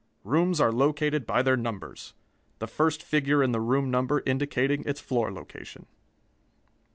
Rooms are located by their numbers: the first figure in the room number indicating its floor location.